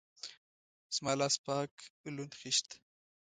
زما لاس پاک لوند خيشت ده.